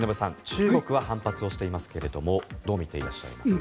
中国は反発していますがどう見ていますか。